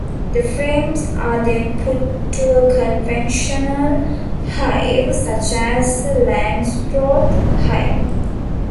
The frames are then put to a conventional hive, such as a Langstroth hive.